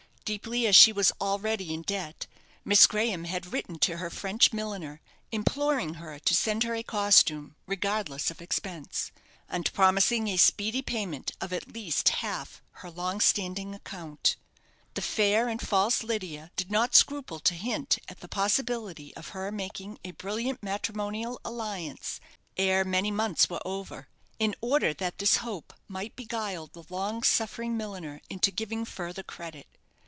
Deeply as she was already in debt, Miss Graham had written to her French milliner, imploring her to send her a costume regardless of expense, and promising a speedy payment of at least half her long standing account. The fair and false Lydia did not scruple to hint at the possibility of her making a brilliant matrimonial alliance ere many months were over, in order that this hope might beguile the long suffering milliner into giving further credit.